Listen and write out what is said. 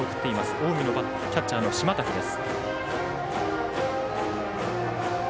近江のキャッチャーの島瀧です。